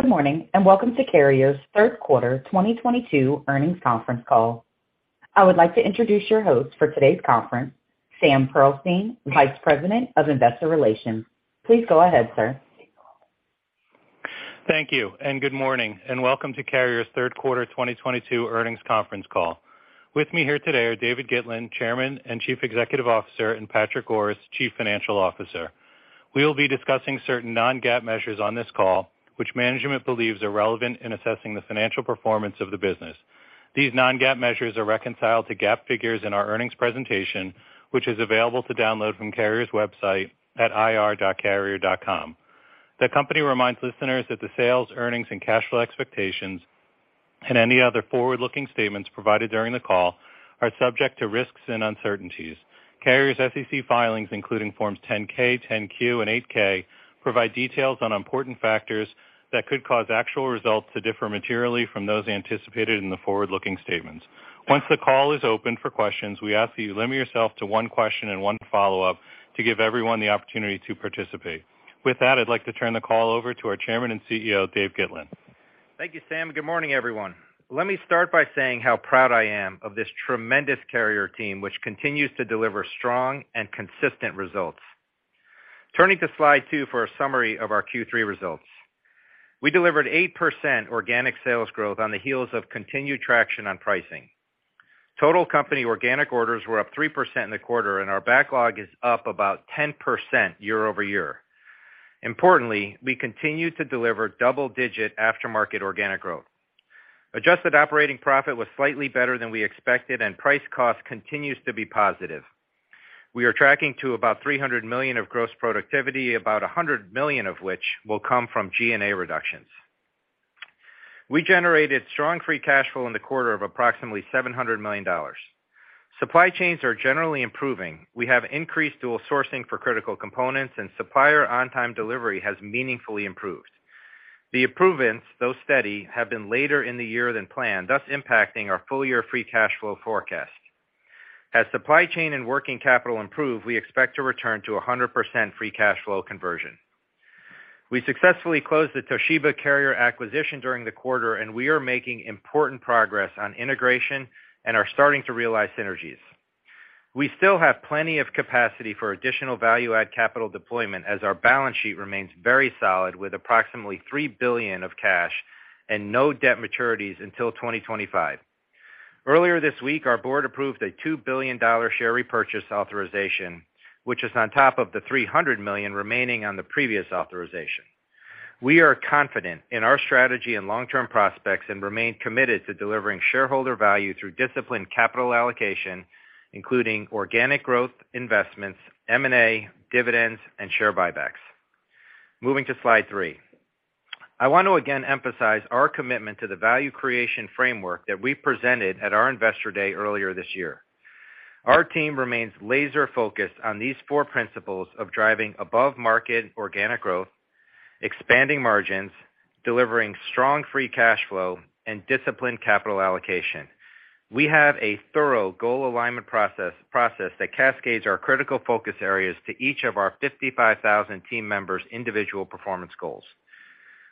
Good morning, and welcome to Carrier's third quarter 2022 earnings conference call. I would like to introduce your host for today's conference, Sam Pearlstein, Vice President of Investor Relations. Please go ahead, sir. Thank you, and good morning, and welcome to Carrier's third quarter 2022 earnings conference call. With me here today are David Gitlin, Chairman and Chief Executive Officer, and Patrick Goris, Chief Financial Officer. We will be discussing certain non-GAAP measures on this call, which management believes are relevant in assessing the financial performance of the business. These non-GAAP measures are reconciled to GAAP figures in our earnings presentation, which is available to download from Carrier's website at ir.carrier.com. The company reminds listeners that the sales, earnings, and cash flow expectations and any other forward-looking statements provided during the call are subject to risks and uncertainties. Carrier's SEC filings, including forms 10-K, 10-Q, and 8-K, provide details on important factors that could cause actual results to differ materially from those anticipated in the forward-looking statements. Once the call is open for questions, we ask that you limit yourself to one question and one follow-up to give everyone the opportunity to participate. With that, I'd like to turn the call over to our Chairman and CEO, David Gitlin. Thank you, Sam, and good morning, everyone. Let me start by saying how proud I am of this tremendous Carrier team, which continues to deliver strong and consistent results. Turning to slide two for a summary of our Q3 results. We delivered 8% organic sales growth on the heels of continued traction on pricing. Total company organic orders were up 3% in the quarter, and our backlog is up about 10% year-over-year. Importantly, we continue to deliver double-digit aftermarket organic growth. Adjusted operating profit was slightly better than we expected, and price cost continues to be positive. We are tracking to about $300 million of gross productivity, about $100 million of which will come from G&A reductions. We generated strong free cash flow in the quarter of approximately $700 million. Supply chains are generally improving. We have increased dual sourcing for critical components and supplier on-time delivery has meaningfully improved. The improvements, though steady, have been later in the year than planned, thus impacting our full-year free cash flow forecast. As supply chain and working capital improve, we expect to return to 100% free cash flow conversion. We successfully closed the Toshiba Carrier acquisition during the quarter, and we are making important progress on integration and are starting to realize synergies. We still have plenty of capacity for additional value-add capital deployment as our balance sheet remains very solid with approximately $3 billion of cash and no debt maturities until 2025. Earlier this week, our board approved a $2 billion share repurchase authorization, which is on top of the $300 million remaining on the previous authorization. We are confident in our strategy and long-term prospects and remain committed to delivering shareholder value through disciplined capital allocation, including organic growth investments, M&A, dividends, and share buybacks. Moving to slide 3. I want to again emphasize our commitment to the value creation framework that we presented at our Investor Day earlier this year. Our team remains laser-focused on these four principles of driving above-market organic growth, expanding margins, delivering strong free cash flow, and disciplined capital allocation. We have a thorough goal alignment process that cascades our critical focus areas to each of our 55,000 team members' individual performance goals.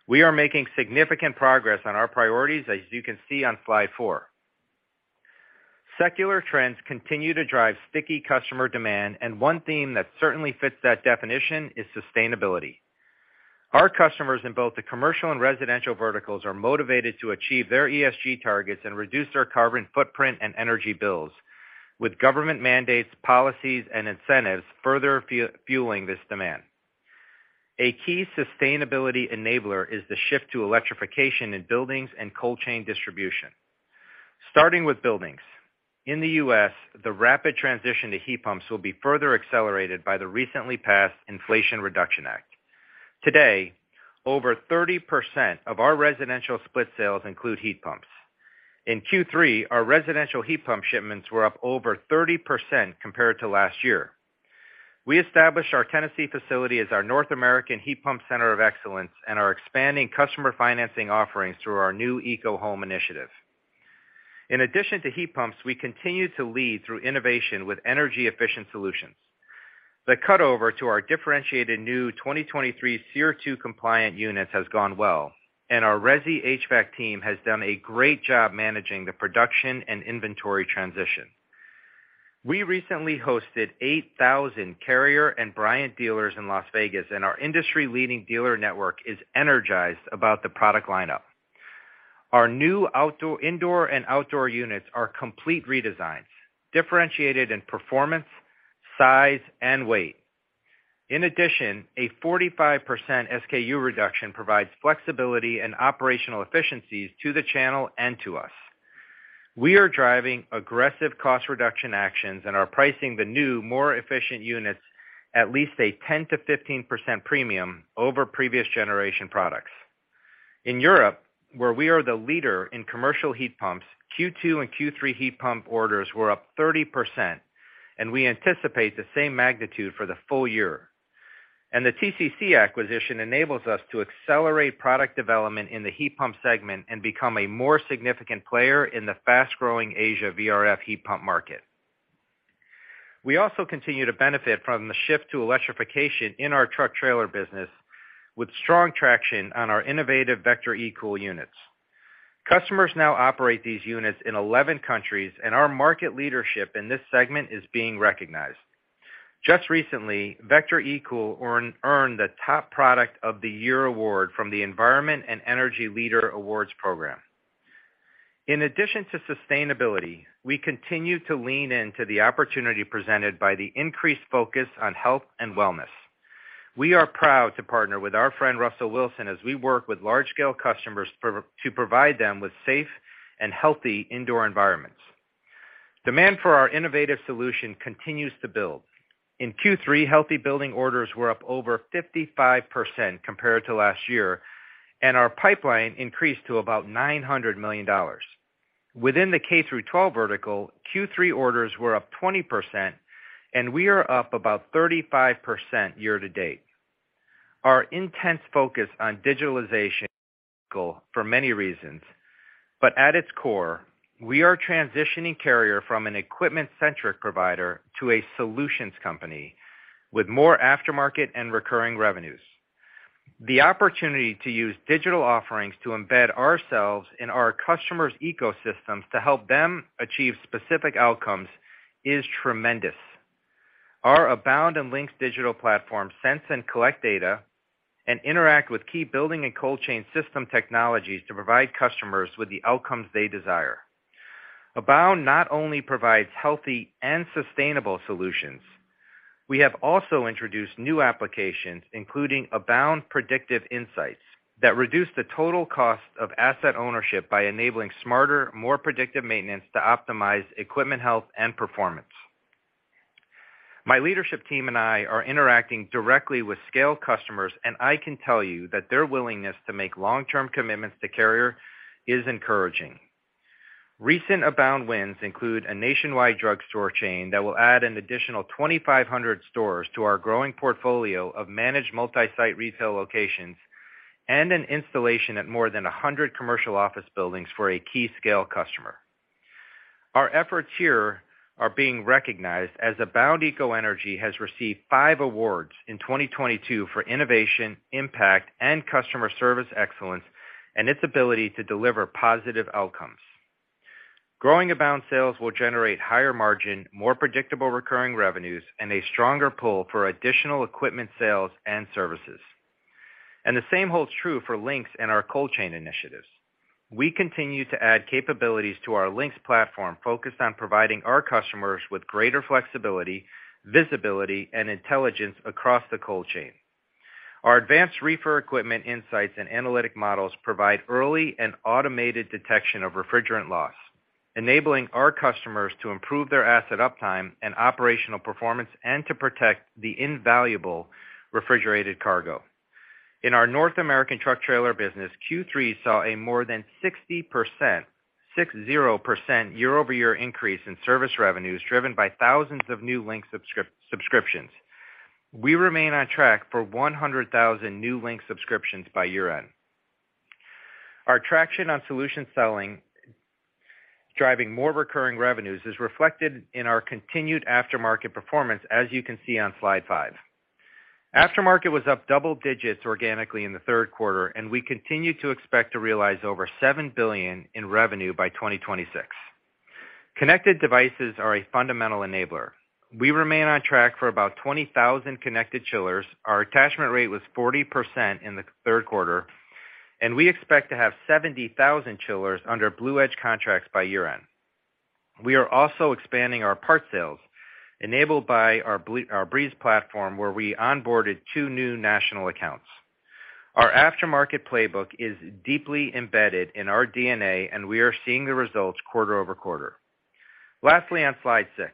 We are making significant progress on our priorities, as you can see on slide 4. Secular trends continue to drive sticky customer demand, and one theme that certainly fits that definition is sustainability. Our customers in both the commercial and residential verticals are motivated to achieve their ESG targets and reduce their carbon footprint and energy bills, with government mandates, policies, and incentives further fueling this demand. A key sustainability enabler is the shift to electrification in buildings and cold chain distribution. Starting with buildings. In the U.S., the rapid transition to heat pumps will be further accelerated by the recently passed Inflation Reduction Act. Today, over 30% of our residential split sales include heat pumps. In Q3, our residential heat pump shipments were up over 30% compared to last year. We established our Tennessee facility as our North American Heat Pump Center of Excellence and are expanding customer financing offerings through our new EcoHome initiative. In addition to heat pumps, we continue to lead through innovation with energy-efficient solutions. The cutover to our differentiated new 2023 SEER2 compliant units has gone well, and our resi HVAC team has done a great job managing the production and inventory transition. We recently hosted 8,000 Carrier and Bryant dealers in Las Vegas, and our industry-leading dealer network is energized about the product lineup. Our new indoor and outdoor units are complete redesigns, differentiated in performance, size, and weight. In addition, a 45% SKU reduction provides flexibility and operational efficiencies to the channel and to us. We are driving aggressive cost reduction actions and are pricing the new, more efficient units at least a 10%-15% premium over previous generation products. In Europe, where we are the leader in commercial heat pumps, Q2 and Q3 heat pump orders were up 30%, and we anticipate the same magnitude for the full year. The TCC acquisition enables us to accelerate product development in the heat pump segment and become a more significant player in the fast-growing Asia VRF heat pump market. We also continue to benefit from the shift to electrification in our truck trailer business, with strong traction on our innovative Vector eCool units. Customers now operate these units in 11 countries, and our market leadership in this segment is being recognized. Just recently, Vector eCool earned the Top Product of the Year award from the Environment+Energy Leader Awards program. In addition to sustainability, we continue to lean into the opportunity presented by the increased focus on health and wellness. We are proud to partner with our friend Russell Wilson as we work with large-scale customers to provide them with safe and healthy indoor environments. Demand for our innovative solution continues to build. In Q3, healthy building orders were up over 55% compared to last year, and our pipeline increased to about $900 million. Within the K through twelve vertical, Q3 orders were up 20%, and we are up about 35% year to date. Our intense focus on digitalization for many reasons, but at its core, we are transitioning Carrier from an equipment-centric provider to a solutions company with more aftermarket and recurring revenues. The opportunity to use digital offerings to embed ourselves in our customers' ecosystems to help them achieve specific outcomes is tremendous. Our Abound and Lynx digital platform sense and collect data and interact with key building and cold chain system technologies to provide customers with the outcomes they desire. Abound not only provides healthy and sustainable solutions. We have also introduced new applications, including Abound Predictive Insights, that reduce the total cost of asset ownership by enabling smarter, more predictive maintenance to optimize equipment health and performance. My leadership team and I are interacting directly with scale customers, and I can tell you that their willingness to make long-term commitments to Carrier is encouraging. Recent Abound wins include a nationwide drugstore chain that will add an additional 2,500 stores to our growing portfolio of managed multi-site retail locations and an installation at more than 100 commercial office buildings for a key scale customer. Our efforts here are being recognized as Abound EcoEnergy has received 5 awards in 2022 for innovation, impact, and customer service excellence, and its ability to deliver positive outcomes. Growing Abound sales will generate higher margin, more predictable recurring revenues, and a stronger pull for additional equipment sales and services. The same holds true for Lynx and our cold chain initiatives. We continue to add capabilities to our Lynx platform, focused on providing our customers with greater flexibility, visibility, and intelligence across the cold chain. Our advanced reefer equipment insights and analytic models provide early and automated detection of refrigerant loss, enabling our customers to improve their asset uptime and operational performance and to protect the invaluable refrigerated cargo. In our North American truck trailer business, Q3 saw a more than 60%, 60% year-over-year increase in service revenues driven by thousands of new Lynx subscriptions. We remain on track for 100,000 new Lynx subscriptions by year-end. Our traction on solution selling, driving more recurring revenues, is reflected in our continued aftermarket performance, as you can see on slide 5. Aftermarket was up double digits organically in the third quarter, and we continue to expect to realize over $7 billion in revenue by 2026. Connected devices are a fundamental enabler. We remain on track for about 20,000 connected chillers. Our attachment rate was 40% in the third quarter, and we expect to have 70,000 chillers under BluEdge contracts by year-end. We are also expanding our parts sales, enabled by our Breeze platform, where we onboarded 2 new national accounts. Our aftermarket playbook is deeply embedded in our DNA, and we are seeing the results quarter over quarter. Lastly, on slide 6,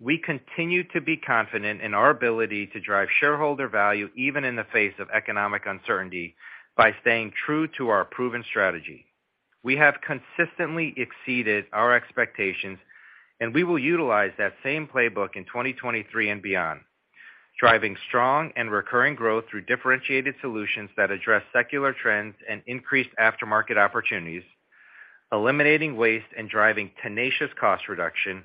we continue to be confident in our ability to drive shareholder value, even in the face of economic uncertainty, by staying true to our proven strategy. We have consistently exceeded our expectations, and we will utilize that same playbook in 2023 and beyond. Driving strong and recurring growth through differentiated solutions that address secular trends and increased aftermarket opportunities, eliminating waste and driving tenacious cost reduction,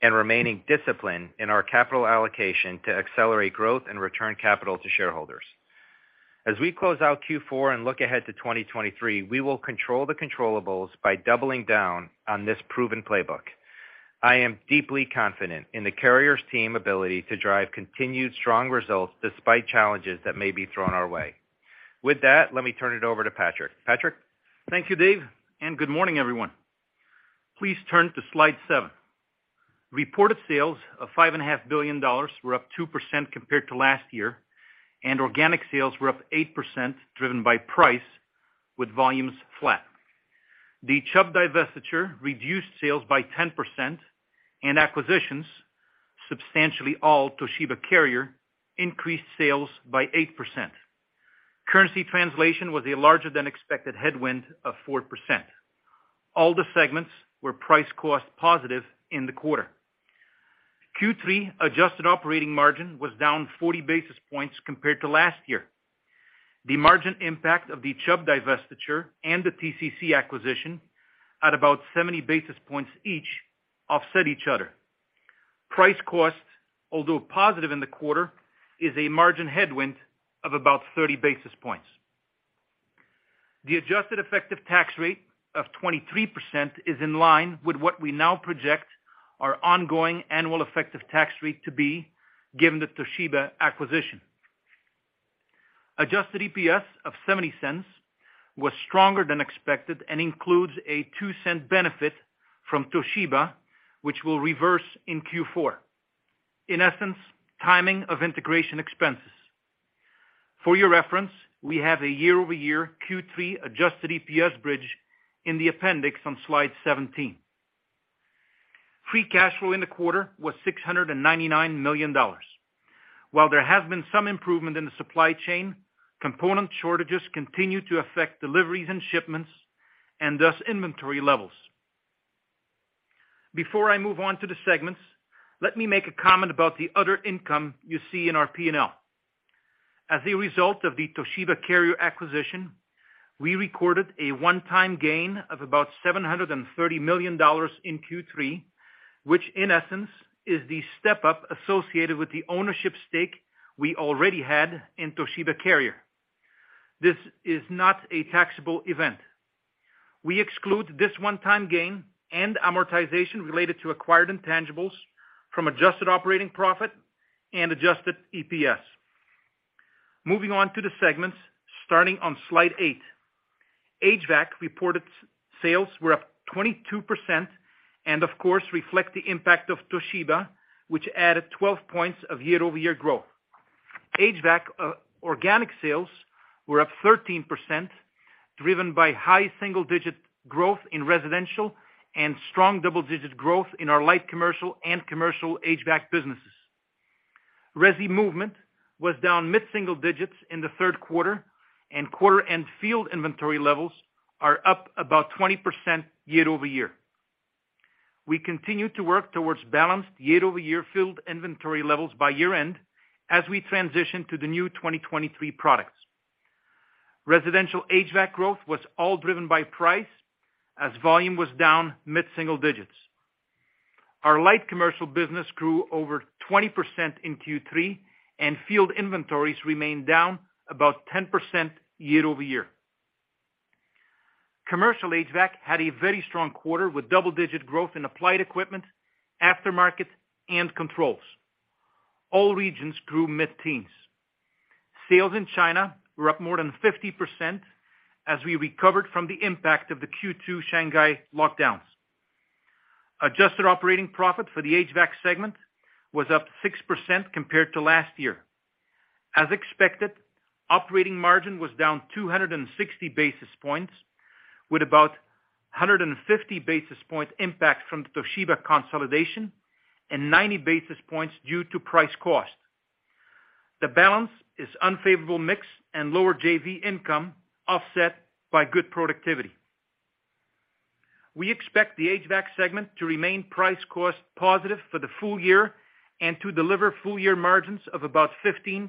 and remaining disciplined in our capital allocation to accelerate growth and return capital to shareholders. As we close out Q4 and look ahead to 2023, we will control the controllables by doubling down on this proven playbook. I am deeply confident in Carrier's team ability to drive continued strong results despite challenges that may be thrown our way. With that, let me turn it over to Patrick. Patrick? Thank you, Dave, and good morning, everyone. Please turn to slide 7. Reported sales of $5 and a half billion were up 2% compared to last year, and organic sales were up 8% driven by price with volumes flat. The Chubb divestiture reduced sales by 10% and acquisitions, substantially all Toshiba Carrier, increased sales by 8%. Currency translation was a larger than expected headwind of 4%. All the segments were price cost positive in the quarter. Q3 adjusted operating margin was down 40 basis points compared to last year. The margin impact of the Chubb divestiture and the TCC acquisition at about 70 basis points each offset each other. Price cost, although positive in the quarter, is a margin headwind of about 30 basis points. The adjusted effective tax rate of 23% is in line with what we now project our ongoing annual effective tax rate to be given the Toshiba acquisition. Adjusted EPS of $0.70 was stronger than expected and includes a $0.02 benefit from Toshiba, which will reverse in Q4. In essence, timing of integration expenses. For your reference, we have a year-over-year Q3 adjusted EPS bridge in the appendix on slide 17. Free cash flow in the quarter was $699 million. While there has been some improvement in the supply chain, component shortages continue to affect deliveries and shipments and thus inventory levels. Before I move on to the segments, let me make a comment about the other income you see in our P&L. As a result of the Toshiba Carrier acquisition, we recorded a one-time gain of about $730 million in Q3, which in essence is the step-up associated with the ownership stake we already had in Toshiba Carrier. This is not a taxable event. We exclude this one-time gain and amortization related to acquired intangibles from adjusted operating profit and adjusted EPS. Moving on to the segments, starting on slide 8. HVAC reported sales were up 22% and of course reflect the impact of Toshiba, which added 12 points of year-over-year growth. HVAC organic sales were up 13%, driven by high single-digit growth in residential and strong double-digit growth in our light commercial and commercial HVAC businesses. Resi movement was down mid-single digits in the third quarter, and quarter end field inventory levels are up about 20% year-over-year. We continue to work towards balanced year-over-year field inventory levels by year-end as we transition to the new 2023 products. Residential HVAC growth was all driven by price as volume was down mid-single digits. Our light commercial business grew over 20% in Q3, and field inventories remained down about 10% year over year. Commercial HVAC had a very strong quarter with double-digit growth in applied equipment, aftermarket, and controls. All regions grew mid-teens. Sales in China were up more than 50% as we recovered from the impact of the Q2 Shanghai lockdowns. Adjusted operating profit for the HVAC segment was up 6% compared to last year. As expected, operating margin was down 260 basis points, with about a 150 basis point impact from the Toshiba consolidation and 90 basis points due to price cost. The balance is unfavorable mix and lower JV income offset by good productivity. We expect the HVAC segment to remain price-cost positive for the full year and to deliver full-year margins of about 15%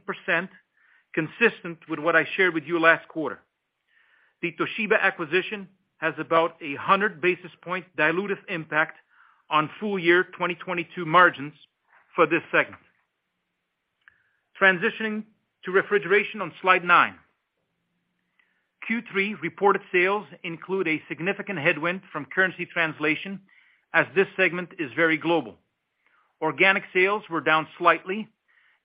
consistent with what I shared with you last quarter. The Toshiba acquisition has about 100 basis points dilutive impact on full-year 2022 margins for this segment. Transitioning to refrigeration on slide 9. Q3 reported sales include a significant headwind from currency translation as this segment is very global. Organic sales were down slightly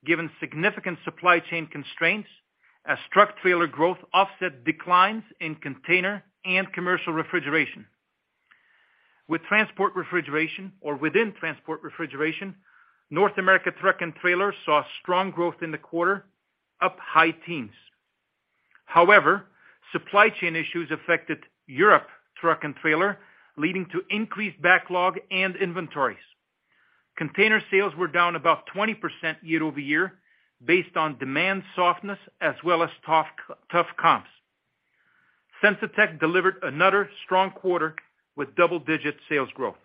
given significant supply chain constraints as truck and trailer growth offset declines in container and commercial refrigeration. Within transport refrigeration, North America truck and trailer saw strong growth in the quarter, up high teens. However, supply chain issues affected Europe truck and trailer, leading to increased backlog and inventories. Container sales were down about 20% year-over-year based on demand softness as well as tough comps. Sensitech delivered another strong quarter with double-digit sales growth.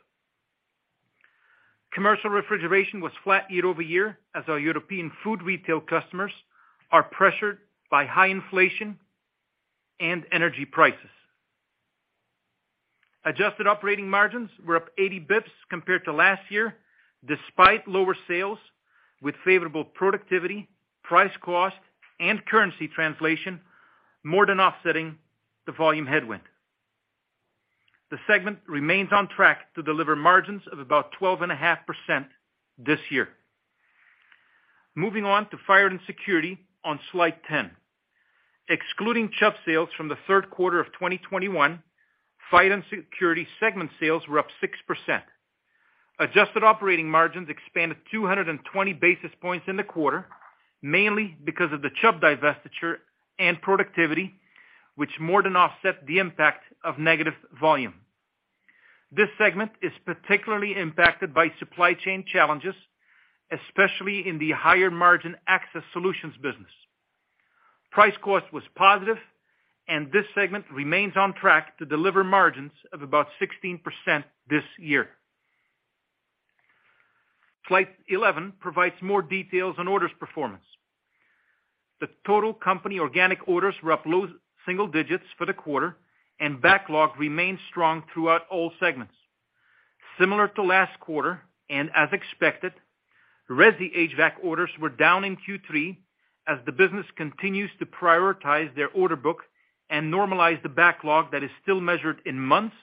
Commercial refrigeration was flat year-over-year as our European food retail customers are pressured by high inflation and energy prices. Adjusted operating margins were up 80 basis points compared to last year, despite lower sales with favorable productivity, price cost, and currency translation more than offsetting the volume headwind. The segment remains on track to deliver margins of about 12.5% this year. Moving on to fire and security on slide 10. Excluding Chubb sales from the third quarter of 2021, fire and security segment sales were up 6%. Adjusted operating margins expanded 220 basis points in the quarter, mainly because of the Chubb divestiture and productivity, which more than offset the impact of negative volume. This segment is particularly impacted by supply chain challenges, especially in the higher margin access solutions business. Price cost was positive and this segment remains on track to deliver margins of about 16% this year. Slide 11 provides more details on orders performance. The total company organic orders were up low single digits for the quarter and backlog remained strong throughout all segments. Similar to last quarter, and as expected, resi HVAC orders were down in Q3 as the business continues to prioritize their order book and normalize the backlog that is still measured in months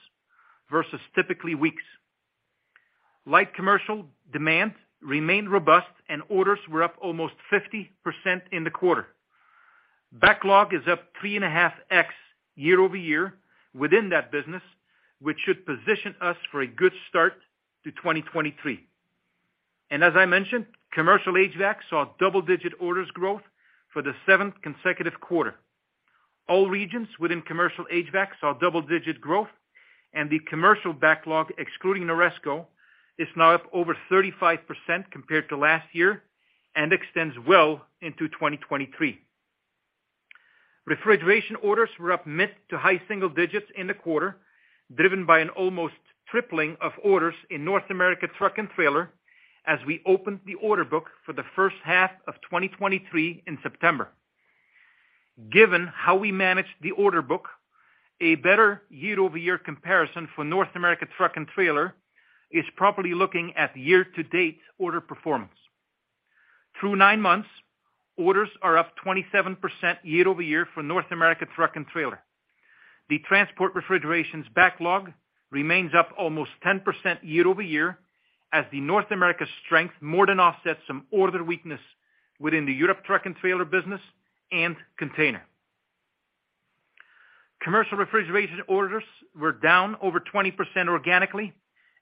versus typically weeks. Light commercial demand remained robust and orders were up almost 50% in the quarter. Backlog is up 3.5x year-over-year within that business, which should position us for a good start to 2023. As I mentioned, commercial HVAC saw double-digit orders growth for the seventh consecutive quarter. All regions within commercial HVAC saw double-digit growth and the commercial backlog, excluding NORESCO, is now up over 35% compared to last year and extends well into 2023. Refrigeration orders were up mid to high single digits in the quarter, driven by an almost tripling of orders in North America truck and trailer as we opened the order book for the first half of 2023 in September. Given how we manage the order book, a better year-over-year comparison for North America truck and trailer is properly looking at year-to-date order performance. Through 9 months, orders are up 27% year-over-year for North America truck and trailer. The transport refrigeration's backlog remains up almost 10% year-over-year as the North America strength more than offsets some order weakness within the Europe truck and trailer business and container. Commercial refrigeration orders were down over 20% organically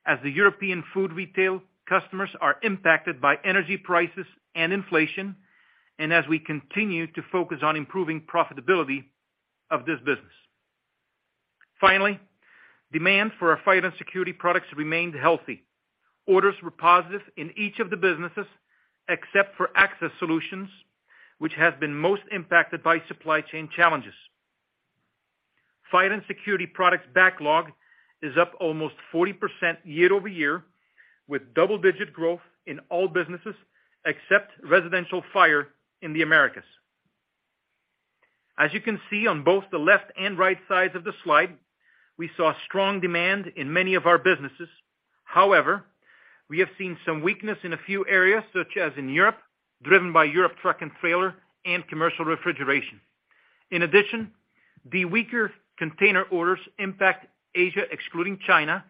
as the European food retail customers are impacted by energy prices and inflation, and as we continue to focus on improving profitability of this business. Finally, demand for our fire and security products remained healthy. Orders were positive in each of the businesses except for access solutions, which has been most impacted by supply chain challenges. Fire and security products backlog is up almost 40% year-over-year, with double-digit growth in all businesses except residential fire in the Americas. As you can see on both the left and right sides of the slide, we saw strong demand in many of our businesses. However, we have seen some weakness in a few areas, such as in Europe, driven by Europe truck and trailer and commercial refrigeration. In addition, the weaker container orders impact Asia excluding China,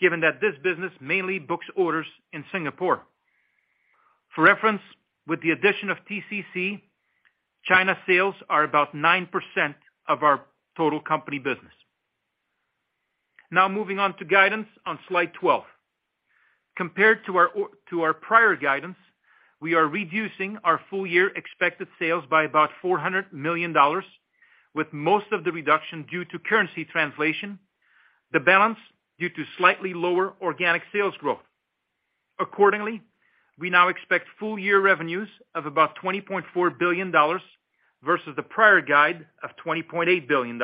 given that this business mainly books orders in Singapore. For reference, with the addition of TCC, China sales are about 9% of our total company business. Now moving on to guidance on slide 12. Compared to our prior guidance, we are reducing our full year expected sales by about $400 million, with most of the reduction due to currency translation, the balance due to slightly lower organic sales growth. Accordingly, we now expect full-year revenues of about $20.4 billion versus the prior guide of $20.8 billion.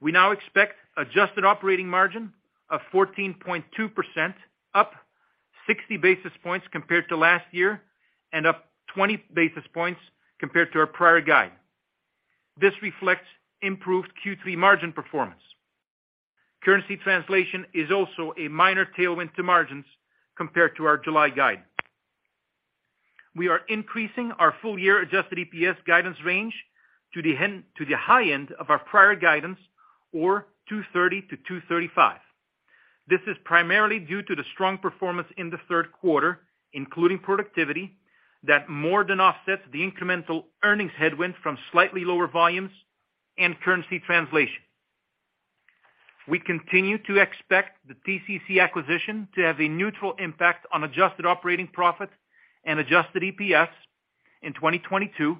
We now expect adjusted operating margin of 14.2%, up 60 basis points compared to last year and up 20 basis points compared to our prior guide. This reflects improved Q3 margin performance. Currency translation is also a minor tailwind to margins compared to our July guide. We are increasing our full-year adjusted EPS guidance range to the high end of our prior guidance or $2.30-$2.35. This is primarily due to the strong performance in the third quarter, including productivity, that more than offsets the incremental earnings headwind from slightly lower volumes and currency translation. We continue to expect the TCC acquisition to have a neutral impact on adjusted operating profit and adjusted EPS in 2022,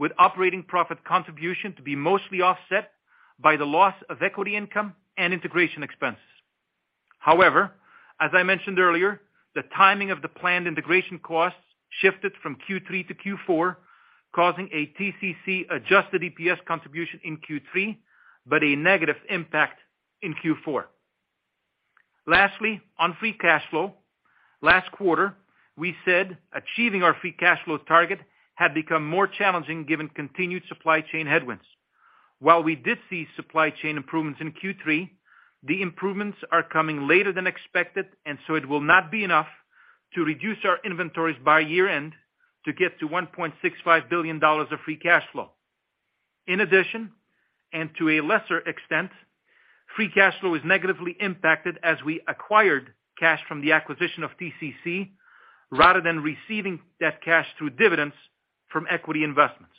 with operating profit contribution to be mostly offset by the loss of equity income and integration expenses. However, as I mentioned earlier, the timing of the planned integration costs shifted from Q3 to Q4, causing a TCC adjusted EPS contribution in Q3, but a negative impact in Q4. Lastly, on free cash flow, last quarter we said achieving our free cash flow target had become more challenging given continued supply chain headwinds. While we did see supply chain improvements in Q3, the improvements are coming later than expected, and so it will not be enough to reduce our inventories by year-end to get to $1.65 billion of free cash flow. In addition, and to a lesser extent, free cash flow is negatively impacted as we acquired cash from the acquisition of TCC rather than receiving that cash through dividends from equity investments.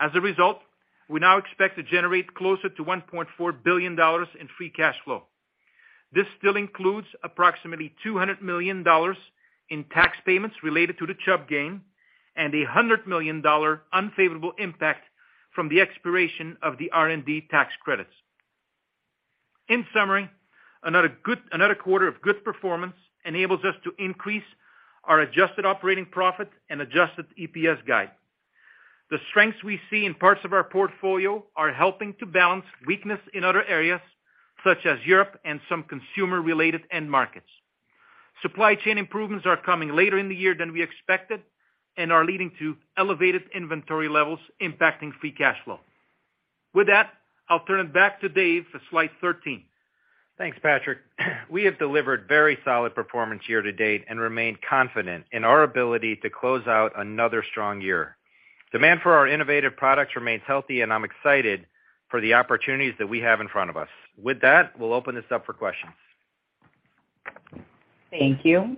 As a result, we now expect to generate closer to $1.4 billion in free cash flow. This still includes approximately $200 million in tax payments related to the Chubb gain and $100 million unfavorable impact from the expiration of the R&D tax credits. In summary, another quarter of good performance enables us to increase our adjusted operating profit and adjusted EPS guide. The strengths we see in parts of our portfolio are helping to balance weakness in other areas such as Europe and some consumer-related end markets. Supply chain improvements are coming later in the year than we expected and are leading to elevated inventory levels impacting free cash flow. With that, I'll turn it back to Dave for slide 13. Thanks, Patrick. We have delivered very solid performance year-to-date and remain confident in our ability to close out another strong year. Demand for our innovative products remains healthy, and I'm excited for the opportunities that we have in front of us. With that, we'll open this up for questions. Thank you.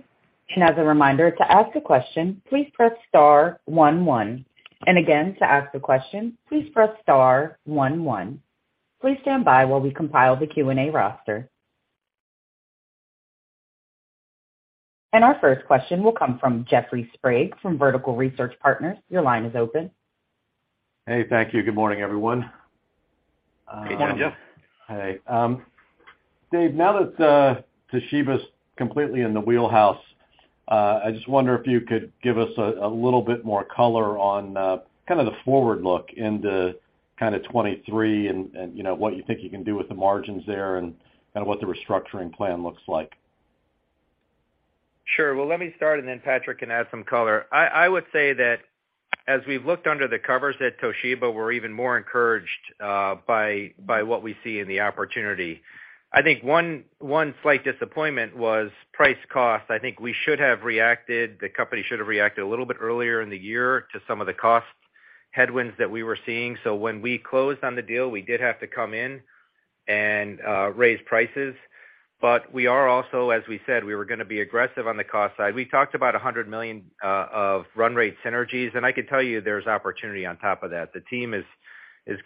As a reminder, to ask a question, please press star one one. Again, to ask a question, please press star one one. Please stand by while we compile the Q&A roster. Our first question will come from Jeffrey Sprague from Vertical Research Partners. Your line is open. Hey, thank you. Good morning, everyone. Good morning, Jeff. Hi. Dave, now that Toshiba is completely in the wheelhouse, I just wonder if you could give us a little bit more color on kind of the forward look into kind of 2023 and, you know, what you think you can do with the margins there and what the restructuring plan looks like. Sure. Well, let me start, and then Patrick can add some color. I would say that as we've looked under the covers at Toshiba, we're even more encouraged by what we see in the opportunity. I think one slight disappointment was price cost. I think the company should have reacted a little bit earlier in the year to some of the cost headwinds that we were seeing. When we closed on the deal, we did have to come in and raise prices. We are also, as we said, we were gonna be aggressive on the cost side. We talked about $100 million of run rate synergies, and I can tell you there's opportunity on top of that. The team is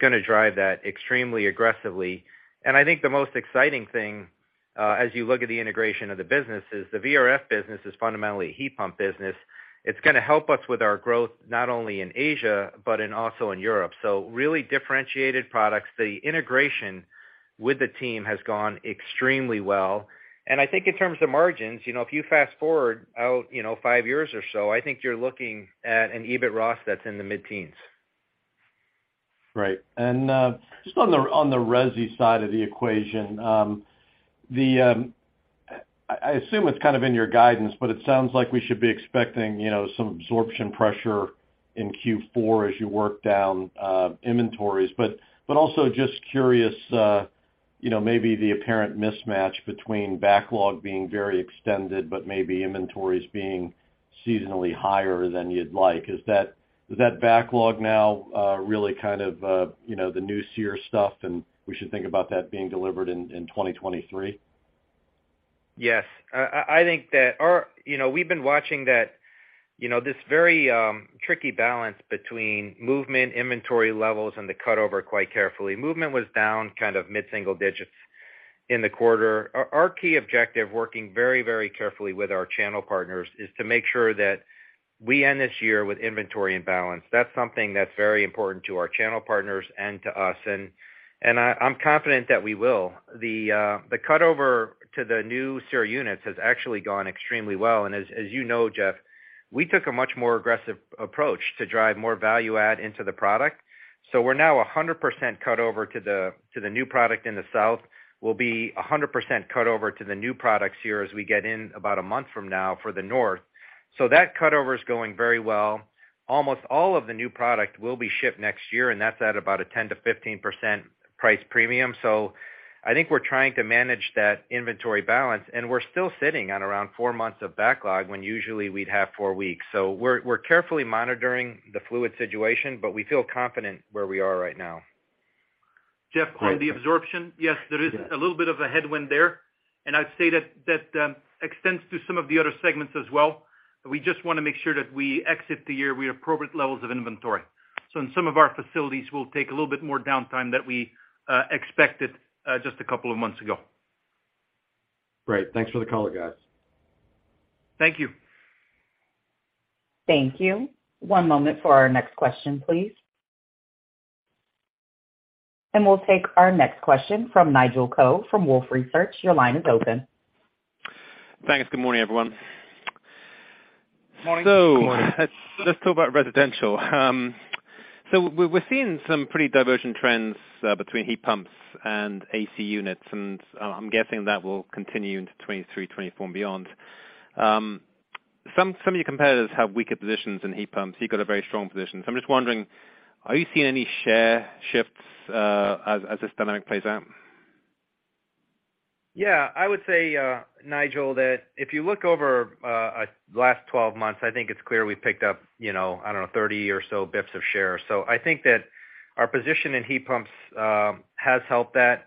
gonna drive that extremely aggressively. I think the most exciting thing, as you look at the integration of the business, is the VRF business is fundamentally a heat pump business. It's gonna help us with our growth not only in Asia, but also in Europe. Really differentiated products. The integration with the team has gone extremely well. I think in terms of margins, you know, if you fast-forward out, you know, five years or so, I think you're looking at an EBIT ROS that's in the mid-teens. Right. Just on the resi side of the equation, I assume it's kind of in your guidance, but it sounds like we should be expecting, you know, some absorption pressure in Q4 as you work down inventories. But also just curious, you know, maybe the apparent mismatch between backlog being very extended but maybe inventories being seasonally higher than you'd like. Is that backlog now really kind of, you know, the new SEER stuff, and we should think about that being delivered in 2023? Yes. I think that. You know, we've been watching that, you know, this very tricky balance between movement, inventory levels and the cutover quite carefully. Movement was down kind of mid-single digits in the quarter. Our key objective, working very, very carefully with our channel partners, is to make sure that we end this year with inventory in balance. That's something that's very important to our channel partners and to us. I’m confident that we will. The cutover to the new SEER units has actually gone extremely well. As you know, Jeff, we took a much more aggressive approach to drive more value add into the product. We're now 100% cut over to the new product in the South. We'll be 100% cut over to the new products here as we get in about a month from now for the North. That cutover is going very well. Almost all of the new product will be shipped next year, and that's at about a 10%-15% price premium. I think we're trying to manage that inventory balance, and we're still sitting at around 4 months of backlog when usually we'd have 4 weeks. We're carefully monitoring the fluid situation, but we feel confident where we are right now. Jeff, on the absorption, yes, there is a little bit of a headwind there, and I'd say that extends to some of the other segments as well. We just wanna make sure that we exit the year with appropriate levels of inventory. In some of our facilities, we'll take a little bit more downtime than we expected just a couple of months ago. Great. Thanks for the color, guys. Thank you. Thank you. One moment for our next question, please. We'll take our next question from Nigel Coe from Wolfe Research. Your line is open. Thanks. Good morning, everyone. Morning. Good morning. Let's talk about residential. We're seeing some pretty divergent trends between heat pumps and AC units, and I'm guessing that will continue into 2023, 2024 and beyond. Some of your competitors have weaker positions in heat pumps. You've got a very strong position. I'm just wondering, are you seeing any share shifts as this dynamic plays out? Yeah. I would say, Nigel, that if you look over last 12 months, I think it's clear we picked up, you know, I don't know, 30 or so BPS of shares. I think that our position in heat pumps has helped that.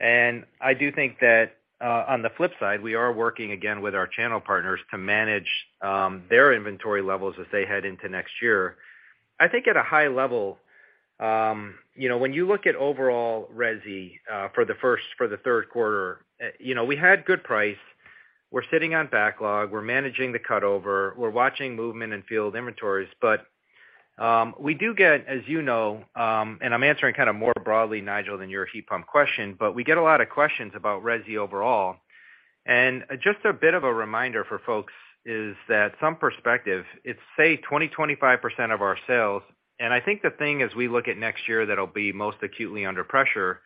I do think that on the flip side, we are working again with our channel partners to manage their inventory levels as they head into next year. I think at a high level, you know, when you look at overall resi for the third quarter, you know, we had good price. We're sitting on backlog. We're managing the cutover. We're watching movement in field inventories. We do get, as you know, and I'm answering kind of more broadly, Nigel, than your heat pump question, but we get a lot of questions about resi overall. Just a bit of a reminder for folks is that some perspective, it's, say, 25% of our sales. I think the thing as we look at next year that'll be most acutely under pressure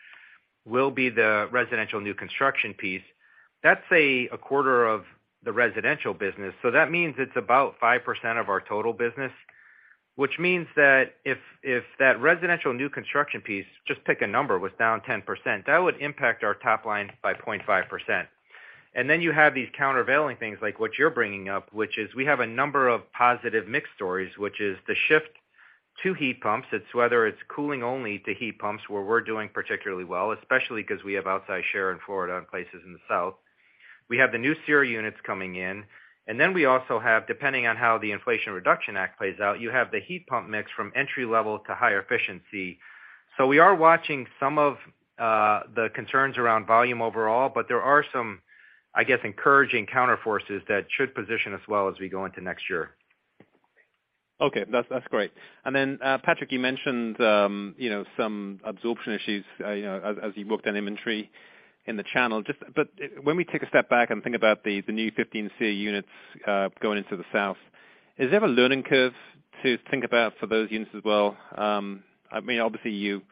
will be the residential new construction piece. That's a quarter of the residential business. So that means it's about 5% of our total business, which means that if that residential new construction piece, just pick a number, was down 10%, that would impact our top line by 0.5%. You have these countervailing things like what you're bringing up, which is we have a number of positive mix stories, which is the shift to heat pumps. It's whether it's cooling only to heat pumps where we're doing particularly well, especially 'cause we have outsized share in Florida and places in the South. We have the new SEER units coming in, and then we also have, depending on how the Inflation Reduction Act plays out, you have the heat pump mix from entry level to higher efficiency. We are watching some of the concerns around volume overall, but there are some, I guess, encouraging counter forces that should position us well as we go into next year. Okay. That's great. Then Patrick, you mentioned, you know, some absorption issues, you know, as you've worked on inventory in the channel. When we take a step back and think about the new 15 SEER units going into the South, is there a learning curve to think about for those units as well? I mean, obviously, you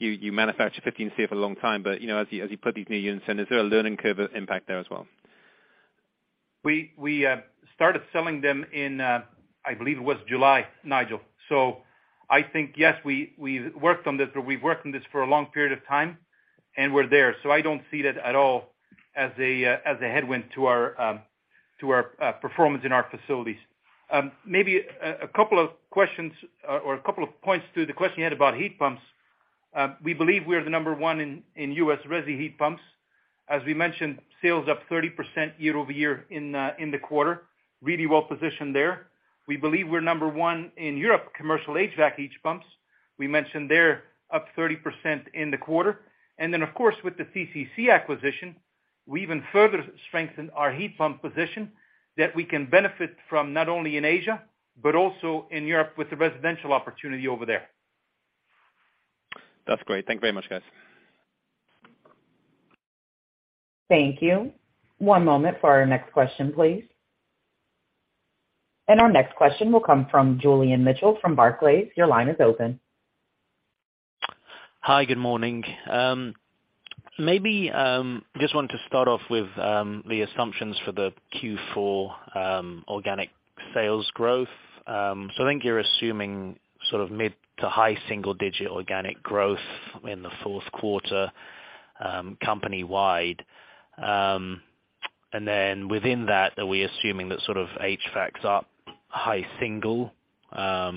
manufacture 15 SEER for a long time, but you know, as you put these new units in, is there a learning curve impact there as well? We started selling them in, I believe it was July, Nigel. I think, yes, we worked on this, but we've worked on this for a long period of time, and we're there. I don't see that at all as a headwind to our performance in our facilities. Maybe a couple of questions or a couple of points to the question you had about heat pumps. We believe we are the number one in U.S. resi heat pumps. As we mentioned, sales up 30% year-over-year in the quarter. Really well positioned there. We believe we're number one in Europe commercial HVAC heat pumps. We mentioned they're up 30% in the quarter. Of course, with the TCC acquisition, we even further strengthen our heat pump position that we can benefit from not only in Asia, but also in Europe with the residential opportunity over there. That's great. Thank you very much, guys. Thank you. One moment for our next question, please. Our next question will come from Julian Mitchell from Barclays. Your line is open. Hi. Good morning. Maybe just want to start off with the assumptions for the Q4 organic sales growth. I think you're assuming sort of mid- to high-single-digit organic growth in the fourth quarter, company-wide. Within that, are we assuming that sort of HVAC's up high single?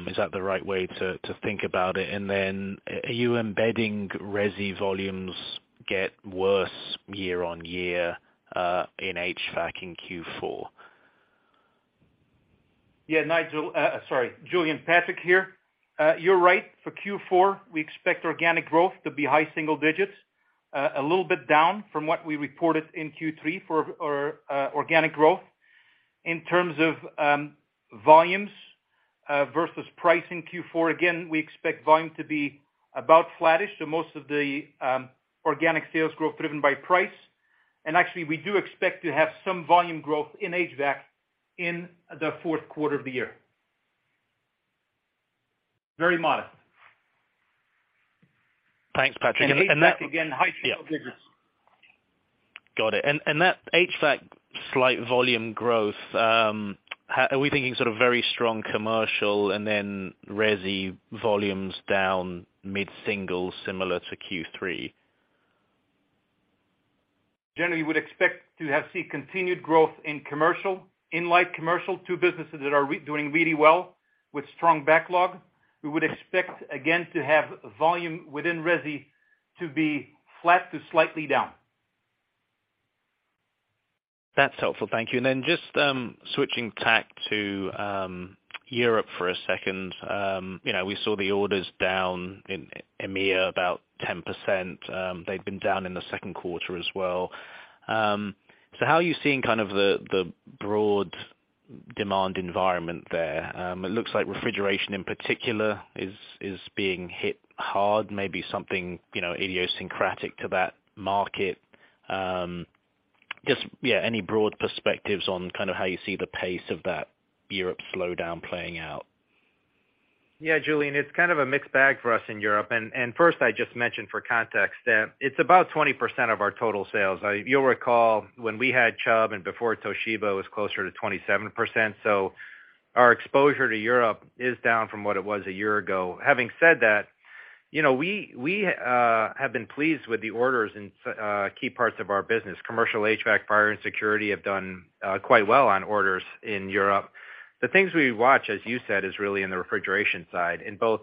Is that the right way to think about it? Are you embedding resi volumes get worse year-over-year in HVAC in Q4? Yeah, Nigel. Sorry, Julian. Patrick here. You're right. For Q4, we expect organic growth to be high single digits, a little bit down from what we reported in Q3 organic growth. In terms of volumes versus price in Q4, again, we expect volume to be about flattish, so most of the organic sales growth driven by price. Actually, we do expect to have some volume growth in HVAC in the fourth quarter of the year. Very modest. Thanks, Patrick. HVAC again, high single digits. Got it. That HVAC slight volume growth, how are we thinking sort of very strong commercial and then resi volumes down mid-single, similar to Q3? Generally, we would expect to have continued growth in commercial, in light commercial, two businesses that are doing really well with strong backlog. We would expect again to have volume within resi to be flat to slightly down. That's helpful. Thank you. Just switching tack to Europe for a second. You know, we saw the orders down in EMEIA about 10%. They've been down in the second quarter as well. How are you seeing kind of the broad demand environment there? It looks like refrigeration in particular is being hit hard, maybe something, you know, idiosyncratic to that market. Just yeah, any broad perspectives on kind of how you see the pace of that Europe slowdown playing out? Yeah, Julian, it's kind of a mixed bag for us in Europe. First, I just mentioned for context that it's about 20% of our total sales. You'll recall when we had Chubb and before Toshiba was closer to 27%. Our exposure to Europe is down from what it was a year ago. Having said that, you know, we have been pleased with the orders in key parts of our business. Commercial HVAC, fire and security have done quite well on orders in Europe. The things we watch, as you said, is really in the refrigeration side, in both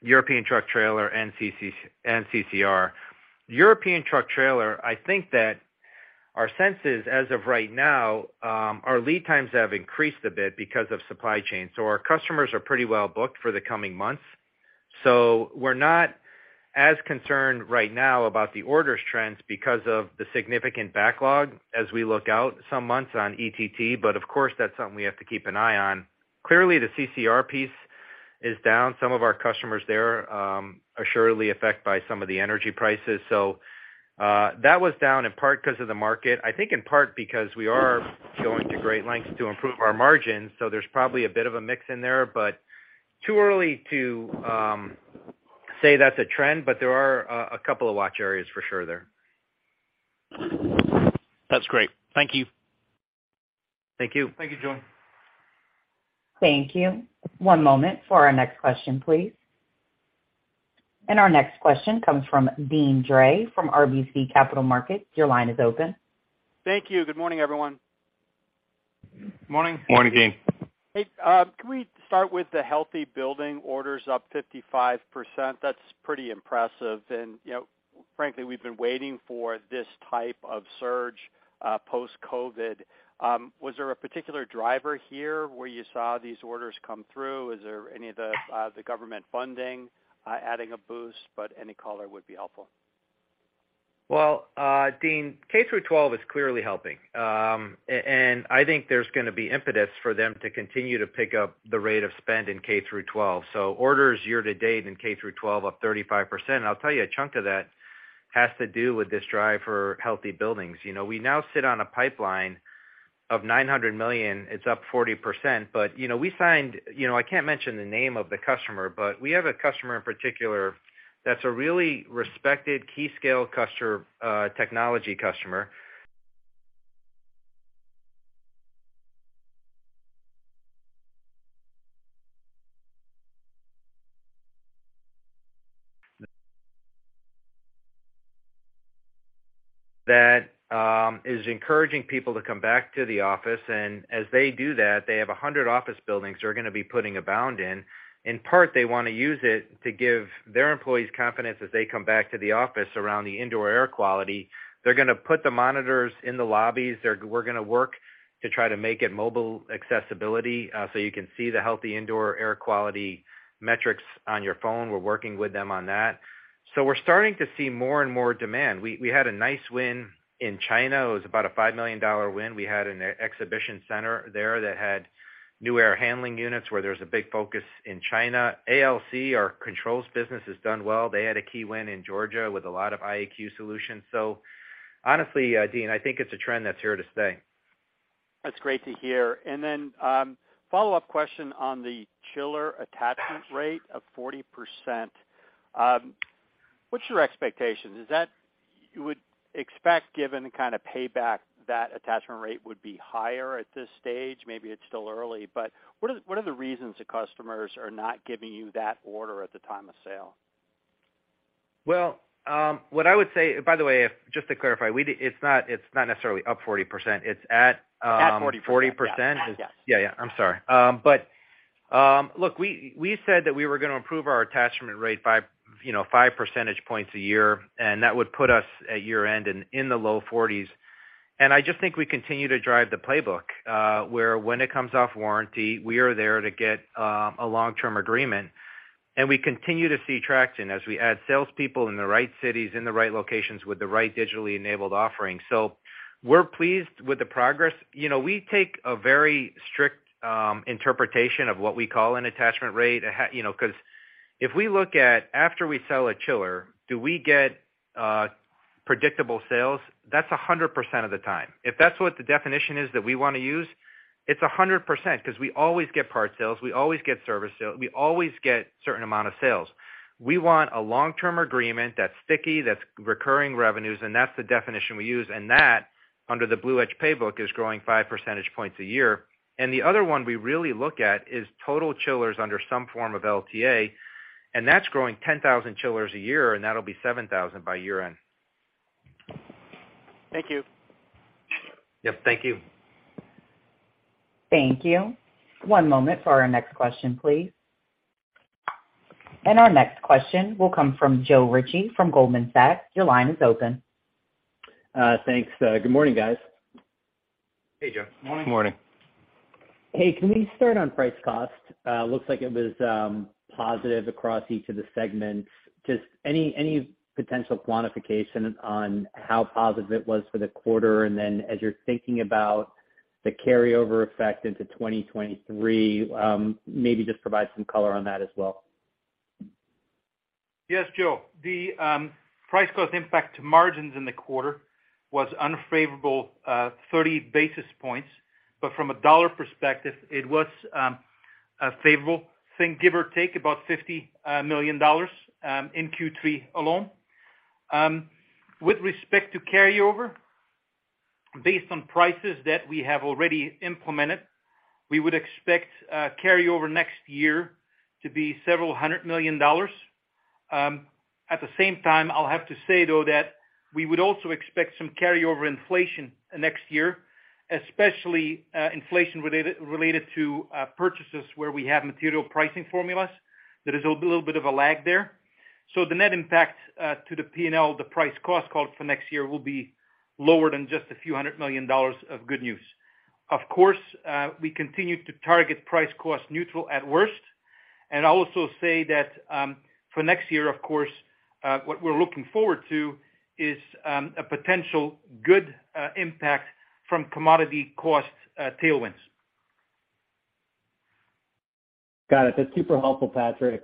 European truck trailer and CCR. European truck trailer, I think that our sense is, as of right now, our lead times have increased a bit because of supply chain. Our customers are pretty well booked for the coming months. We're not as concerned right now about the orders trends because of the significant backlog as we look out some months on ETT, but of course, that's something we have to keep an eye on. Clearly, the CCR piece is down. Some of our customers there are surely affected by some of the energy prices. That was down in part because of the market. I think in part because we are going to great lengths to improve our margins, so there's probably a bit of a mix in there, but too early to say that's a trend, but there are a couple of watch areas for sure there. That's great. Thank you. Thank you. Thank you, John. Thank you. One moment for our next question, please. Our next question comes from Deane Dray from RBC Capital Markets. Your line is open. Thank you. Good morning, everyone. Morning. Morning, Deane. Hey. Can we start with the healthy building orders up 55%? That's pretty impressive. You know, frankly, we've been waiting for this type of surge post-COVID. Was there a particular driver here where you saw these orders come through? Is there any of the government funding adding a boost, but any color would be helpful. Well, Deane, K-12 is clearly helping. I think there's gonna be impetus for them to continue to pick up the rate of spend in K-12. Orders year to date in K-12 up 35%. I'll tell you, a chunk of that has to do with this drive for healthy buildings. You know, we now sit on a pipeline of $900 million, it's up 40%. You know, we signed. You know, I can't mention the name of the customer, but we have a customer in particular that's a really respected key scale customer, technology customer. That is encouraging people to come back to the office, and as they do that, they have 100 office buildings they're gonna be putting Abound in. In part, they wanna use it to give their employees confidence as they come back to the office around the indoor air quality. They're gonna put the monitors in the lobbies. We're gonna work to try to make it mobile accessibility, so you can see the healthy indoor air quality metrics on your phone. We're working with them on that. We're starting to see more and more demand. We had a nice win in China. It was about a $5 million win. We had an exhibition center there that had new air handling units where there's a big focus in China. ALC, our controls business, has done well. They had a key win in Georgia with a lot of IAQ solutions. Honestly, Deane, I think it's a trend that's here to stay. That's great to hear. Follow-up question on the chiller attachment rate of 40%. What's your expectation? Is that you would expect, given the kinda payback, that attachment rate would be higher at this stage? Maybe it's still early, but what are the reasons the customers are not giving you that order at the time of sale? Well, by the way, if just to clarify, it's not necessarily up 40%. It's at, At 40%. 40%. Yeah. Yes. Yeah, yeah. I'm sorry. Look, we said that we were gonna improve our attachment rate by, you know, 5 percentage points a year, and that would put us at year-end in the low forties. I just think we continue to drive the playbook, where when it comes off warranty, we are there to get a long-term agreement. We continue to see traction as we add salespeople in the right cities, in the right locations with the right digitally enabled offerings. We're pleased with the progress. You know, we take a very strict interpretation of what we call an attachment rate. You know, 'cause if we look at after we sell a chiller, do we get predictable sales? That's 100% of the time. If that's what the definition is that we wanna use, it's 100% because we always get part sales, we always get service sale, we always get certain amount of sales. We want a long-term agreement that's sticky, that's recurring revenues, and that's the definition we use, and that, under the BluEdge playbook, is growing 5 percentage points a year. The other one we really look at is total chillers under some form of LTA, and that's growing 10,000 chillers a year, and that'll be 7,000 by year-end. Thank you. Yep, thank you. Thank you. One moment for our next question, please. Our next question will come from Joe Ritchie from Goldman Sachs. Your line is open. Thanks. Good morning, guys. Hey, Joe. Morning. Morning. Hey, can we start on price cost? Looks like it was positive across each of the segments. Just any potential quantification on how positive it was for the quarter, and then as you're thinking about the carryover effect into 2023, maybe just provide some color on that as well. Yes, Joe. The price cost impact to margins in the quarter was unfavorable 30 basis points, but from a dollar perspective, it was favorable. Think, give or take about $50 million in Q3 alone. With respect to carryover, based on prices that we have already implemented, we would expect carryover next year to be several hundred million dollars. At the same time, I'll have to say, though, that we would also expect some carryover inflation next year, especially inflation related to purchases where we have material pricing formulas. There is a little bit of a lag there. The net impact to the P&L, the price cost tail for next year will be lower than just a few hundred million dollars of good news. Of course, we continue to target price cost neutral at worst. I'll also say that, for next year, of course, what we're looking forward to is a potential good impact from commodity cost tailwinds. Got it. That's super helpful, Patrick.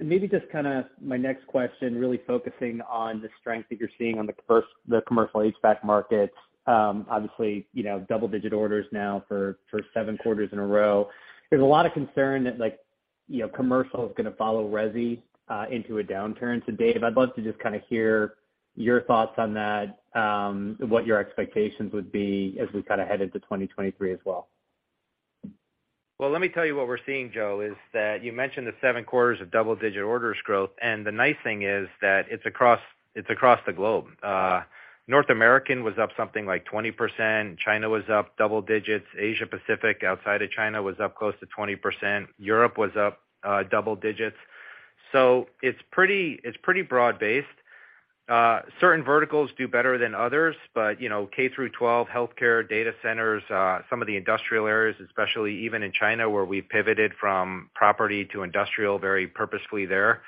Maybe just kinda my next question, really focusing on the strength that you're seeing on the commercial HVAC markets, obviously, you know, double-digit orders now for seven quarters in a row. There's a lot of concern that, like, you know, commercial is gonna follow resi into a downturn. Dave, I'd love to just kinda hear your thoughts on that, what your expectations would be as we kinda head into 2023 as well. Let me tell you what we're seeing, Joe, is that you mentioned the seven quarters of double-digit orders growth, and the nice thing is that it's across the globe. North American was up something like 20%. China was up double digits. Asia Pacific, outside of China, was up close to 20%. Europe was up double digits. So it's pretty broad-based. Certain verticals do better than others, but, you know, K through twelve healthcare data centers, some of the industrial areas, especially even in China, where we pivoted from property to industrial very purposefully there,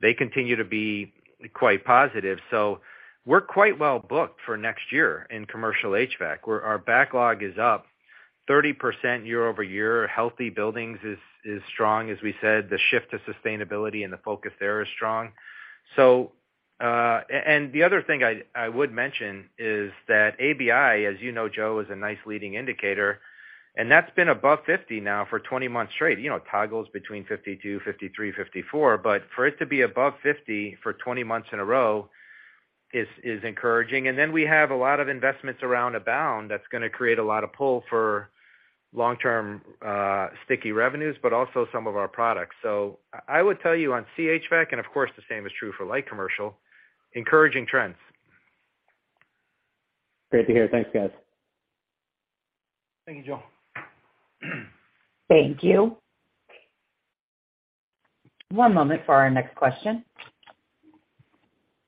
they continue to be quite positive. So we're quite well booked for next year in commercial HVAC, where our backlog is up 30% year-over-year. Healthy buildings is strong, as we said, the shift to sustainability and the focus there is strong. The other thing I would mention is that ABI, as you know, Joe, is a nice leading indicator, and that's been above 50 now for 20 months straight. You know, it toggles between 52, 53, 54. For it to be above 50 for 20 months in a row is encouraging. We have a lot of investments around Abound that's gonna create a lot of pull for long-term, sticky revenues, but also some of our products. I would tell you on CHVAC, and of course, the same is true for light commercial, encouraging trends. Great to hear. Thanks, guys. Thank you, Joe. Thank you. One moment for our next question.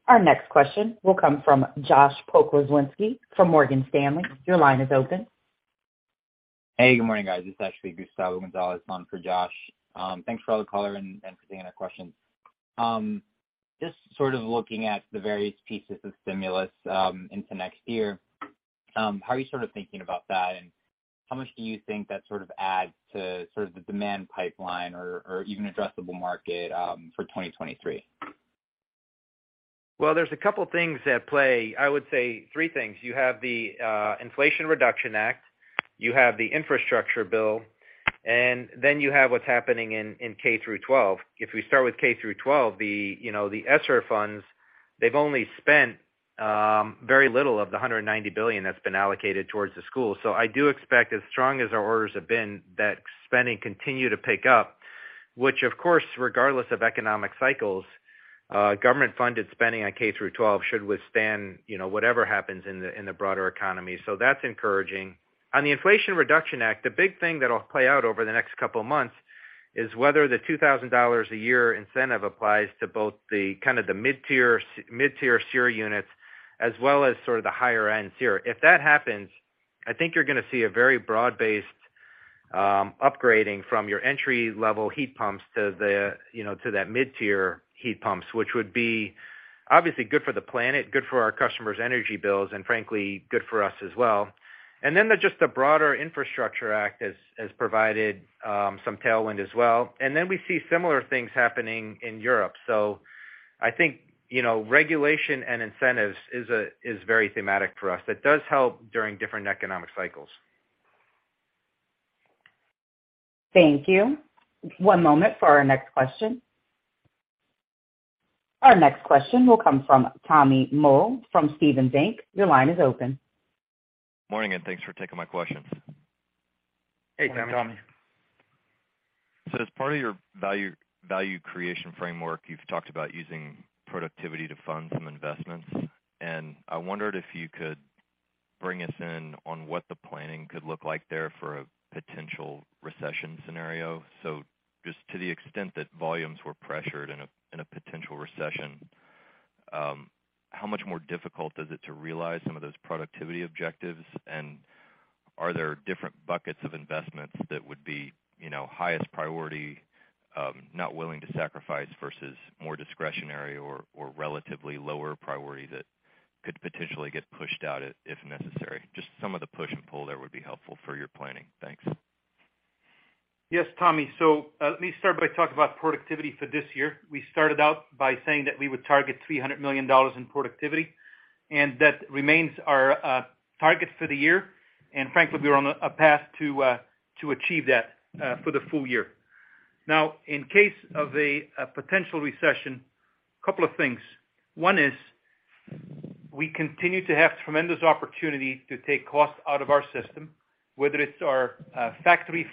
Our next question will come from Josh Pokrzywnski from Morgan Stanley. Your line is open. Hey, good morning, guys. It's actually Gustavo Gonzalez on for Josh. Thanks for all the color and for taking our questions. Just sort of looking at the various pieces of stimulus into next year, how are you sort of thinking about that, and how much do you think that sort of adds to sort of the demand pipeline or even addressable market for 2023? Well, there's a couple things at play. I would say three things. You have the Inflation Reduction Act, you have the infrastructure bill, and then you have what's happening in K through twelve. If we start with K through twelve, you know, the ESSER funds, they've only spent very little of the $190 billion that's been allocated towards the school. I do expect, as strong as our orders have been, that spending continue to pick up, which of course, regardless of economic cycles, government-funded spending on K through twelve should withstand, you know, whatever happens in the broader economy. That's encouraging. On the Inflation Reduction Act, the big thing that'll play out over the next couple of months is whether the $2,000 a year incentive applies to both the kind of the mid-tier SEER units, as well as sort of the higher-end SEER. If that happens, I think you're gonna see a very broad-based upgrading from your entry-level heat pumps to the, you know, to that mid-tier heat pumps, which would be obviously good for the planet, good for our customers' energy bills, and frankly, good for us as well. Then there's just the broader infrastructure act has provided some tailwind as well. Then we see similar things happening in Europe. I think, you know, regulation and incentives is very thematic for us. It does help during different economic cycles. Thank you. One moment for our next question. Our next question will come from Tommy Moll from Stephens Inc. Your line is open. Morning, and thanks for taking my questions. Hey, Tommy. Hey, Tommy. As part of your value creation framework, you've talked about using productivity to fund some investments. I wondered if you could bring us in on what the planning could look like there for a potential recession scenario. Just to the extent that volumes were pressured in a potential recession, how much more difficult is it to realize some of those productivity objectives? Are there different buckets of investments that would be, you know, highest priority, not willing to sacrifice versus more discretionary or relatively lower priority that could potentially get pushed out if necessary? Just some of the push and pull there would be helpful for your planning. Thanks. Yes, Tommy. Let me start by talking about productivity for this year. We started out by saying that we would target $300 million in productivity, and that remains our target for the year. Frankly, we're on a path to achieve that for the full year. Now, in case of a potential recession, couple of things. One is we continue to have tremendous opportunity to take costs out of our system, whether it's our factory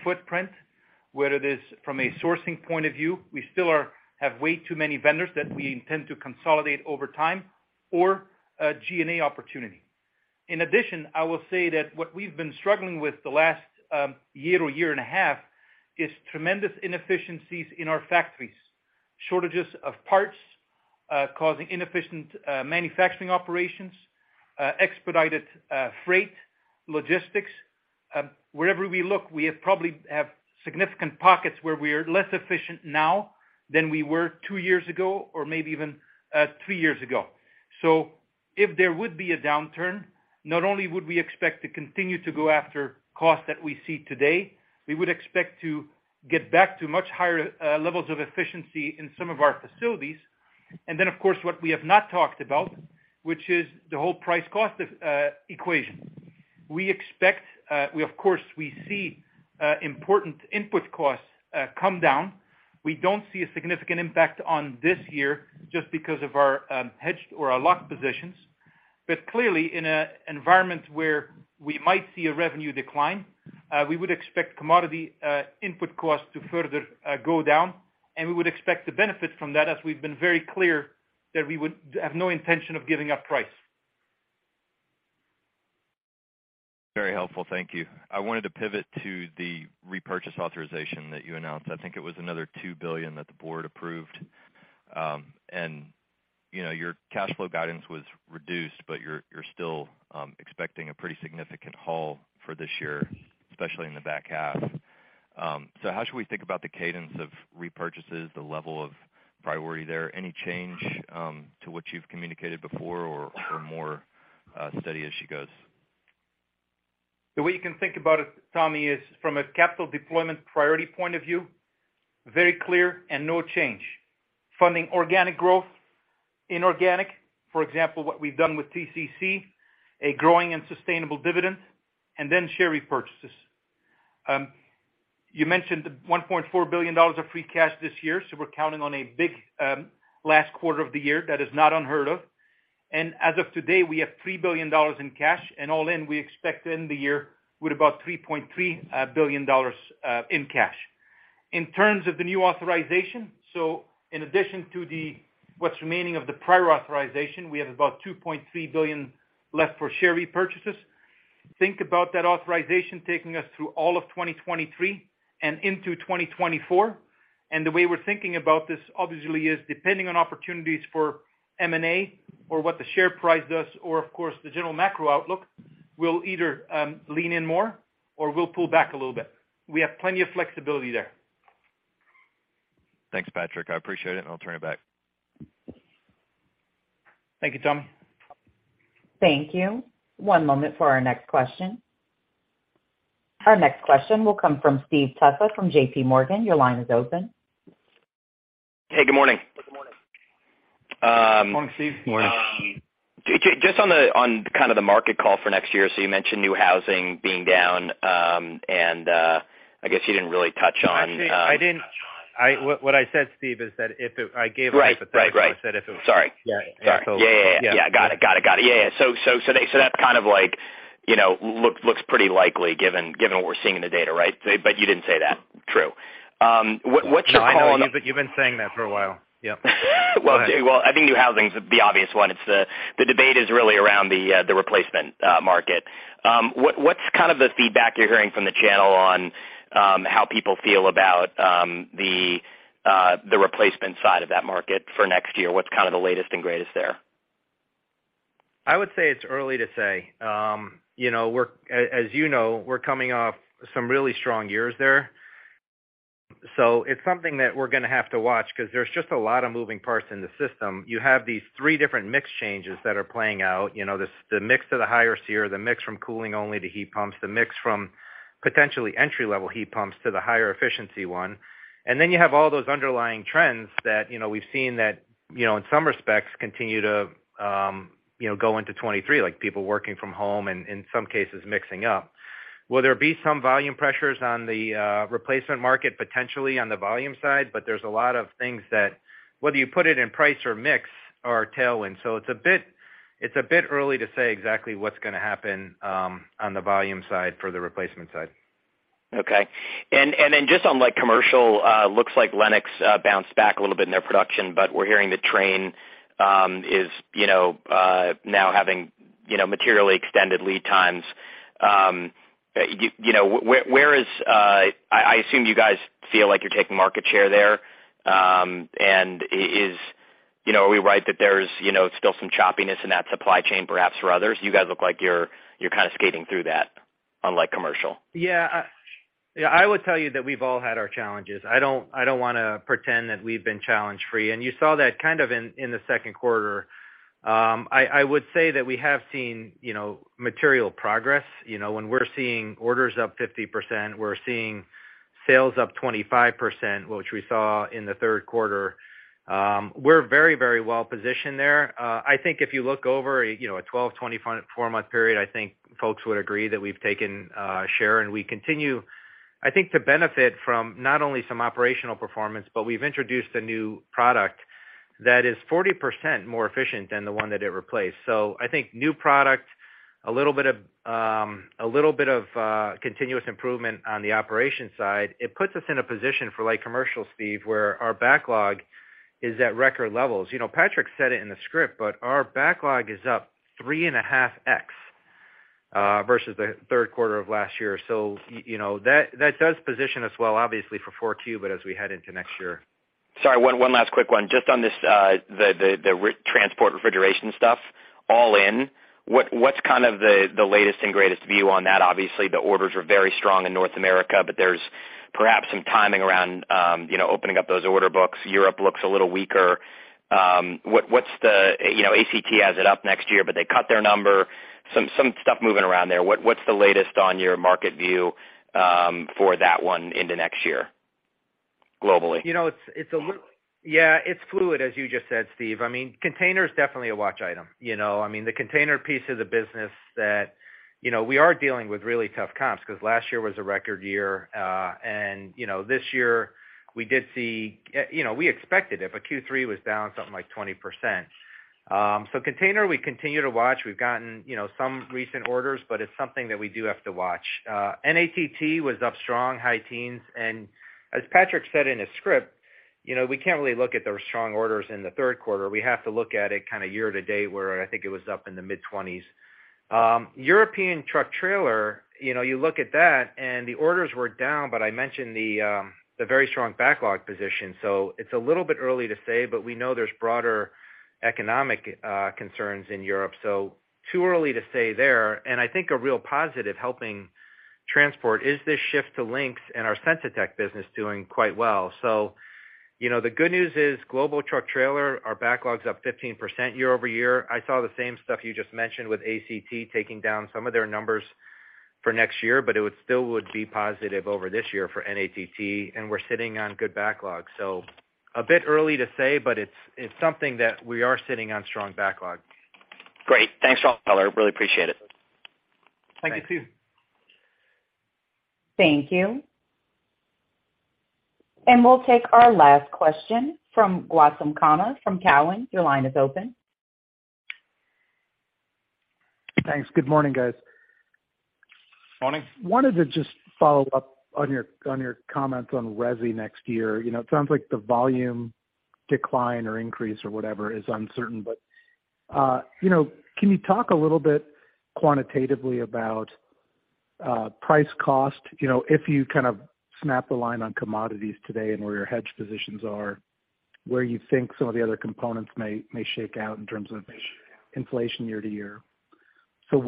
footprint, whether it is from a sourcing point of view, we still have way too many vendors that we intend to consolidate over time or a G&A opportunity. In addition, I will say that what we've been struggling with the last year or year and a half is tremendous inefficiencies in our factories, shortages of parts, causing inefficient manufacturing operations, expedited freight, logistics. Wherever we look, we have probably significant pockets where we are less efficient now than we were two years ago or maybe even three years ago. If there would be a downturn, not only would we expect to continue to go after costs that we see today, we would expect to get back to much higher levels of efficiency in some of our facilities. Then, of course, what we have not talked about, which is the whole price-cost equation. We expect, of course, we see important input costs come down. We don't see a significant impact on this year just because of our hedged or our locked positions. Clearly, in an environment where we might see a revenue decline, we would expect commodity input costs to further go down, and we would expect to benefit from that as we've been very clear that we would have no intention of giving up price. Very helpful. Thank you. I wanted to pivot to the repurchase authorization that you announced. I think it was another $2 billion that the board approved. You know, your cash flow guidance was reduced, but you're still expecting a pretty significant haul for this year, especially in the back half. So how should we think about the cadence of repurchases, the level of priority there? Any change to what you've communicated before or more steady as she goes? The way you can think about it, Tommy, is from a capital deployment priority point of view, very clear and no change. Funding organic growth, inorganic, for example, what we've done with TCC, a growing and sustainable dividend, and then share repurchases. You mentioned $1.4 billion of free cash this year, so we're counting on a big last quarter of the year. That is not unheard of. As of today, we have $3 billion in cash, and all in, we expect to end the year with about $3.3 billion in cash. In terms of the new authorization, so in addition to what's remaining of the prior authorization, we have about $2.3 billion left for share repurchases. Think about that authorization taking us through all of 2023 and into 2024. The way we're thinking about this, obviously, is depending on opportunities for M&A or what the share price does, or of course, the general macro outlook, we'll either lean in more or we'll pull back a little bit. We have plenty of flexibility there. Thanks, Patrick. I appreciate it, and I'll turn it back. Thank you, Tommy. Thank you. One moment for our next question. Our next question will come from Steve Tusa from J.P. Morgan. Your line is open. Hey, good morning. Good morning. Morning, Steve. Morning. Just on kind of the market call for next year, so you mentioned new housing being down, and I guess you didn't really touch on. Actually, I didn't. What I said, Steve, is that if it, I gave a hypothetical. Right. Right. Right. I said if it was. Sorry. Yeah. Got it. Yeah. So that's kind of like, you know, looks pretty likely given what we're seeing in the data, right? But you didn't say that. True. What's your call on the- No, I know you've been saying that for a while. Yep. Well, I think new housing's the obvious one. It's the debate is really around the replacement market. What's kind of the feedback you're hearing from the channel on how people feel about the replacement side of that market for next year? What's kind of the latest and greatest there? I would say it's early to say. As you know, we're coming off some really strong years there. It's something that we're gonna have to watch 'cause there's just a lot of moving parts in the system. You have these three different mix changes that are playing out, the mix to the higher SEER, the mix from cooling only to heat pumps, the mix from potentially entry-level heat pumps to the higher efficiency one. You have all those underlying trends that we've seen that in some respects continue to go into 2023, like people working from home and, in some cases, making up. Will there be some volume pressures on the replacement market? Potentially on the volume side, but there's a lot of things that whether you put it in price or mix are tailwind. It's a bit early to say exactly what's gonna happen on the volume side for the replacement side. Okay. Then just on, like, commercial, looks like Lennox bounced back a little bit in their production, but we're hearing that Trane is, you know, now having, you know, materially extended lead times. You know, where is I assume you guys feel like you're taking market share there. Is, you know, are we right that there's, you know, still some choppiness in that supply chain perhaps for others? You guys look like you're kind of skating through that on, like, commercial. Yeah. I would tell you that we've all had our challenges. I don't wanna pretend that we've been challenge-free, and you saw that kind of in the second quarter. I would say that we have seen, you know, material progress, you know. When we're seeing orders up 50%, we're seeing sales up 25%, which we saw in the third quarter, we're very, very well positioned there. I think if you look over a, you know, a 12-, 24-month period, I think folks would agree that we've taken share and we continue, I think, to benefit from not only some operational performance, but we've introduced a new product that is 40% more efficient than the one that it replaced. I think new product, a little bit of continuous improvement on the operations side, it puts us in a position for light commercial, Steve, where our backlog is at record levels. You know, Patrick said it in the script, but our backlog is up 3.5x versus the third quarter of last year. You know, that does position us well, obviously for Q4 too, but as we head into next year. Sorry, one last quick one. Just on this, the transport refrigeration stuff all in, what's kind of the latest and greatest view on that? Obviously, the orders are very strong in North America, but there's perhaps some timing around, you know, opening up those order books. Europe looks a little weaker. You know, ACT has it up next year, but they cut their number. Some stuff moving around there. What's the latest on your market view, for that one into next year globally? You know, it's fluid, as you just said, Steve. I mean, container is definitely a watch item, you know? I mean, the container piece is a business that, you know, we are dealing with really tough comps because last year was a record year. You know, this year we did see, you know, we expected it, but Q3 was down something like 20%. Container, we continue to watch. We've gotten, you know, some recent orders, but it's something that we do have to watch. NATT was up strong, high teens. As Patrick said in his script, you know, we can't really look at those strong orders in the third quarter. We have to look at it kind of year to date, where I think it was up in the mid-20s. European truck trailer, you know, you look at that and the orders were down, but I mentioned the very strong backlog position. It's a little bit early to say, but we know there's broader economic concerns in Europe, so too early to say there. I think a real positive helping transport is this shift to Lynx and our Sensitech business doing quite well. You know, the good news is global truck trailer, our backlog's up 15% year-over-year. I saw the same stuff you just mentioned with ACT taking down some of their numbers for next year, but it would still be positive over this year for NATT, and we're sitting on good backlog. A bit early to say, but it's something that we are sitting on strong backlog. Great. Thanks, David Gitlin. Really appreciate it. Thank you, Steve. Thank you. We'll take our last question from Gautam Khanna from Cowen. Your line is open. Thanks. Good morning, guys. Morning. Wanted to just follow up on your comments on resi next year. You know, it sounds like the volume decline or increase or whatever is uncertain, but you know, can you talk a little bit quantitatively about price cost? You know, if you kind of snap the line on commodities today and where your hedge positions are, where you think some of the other components may shake out in terms of inflation year to year. You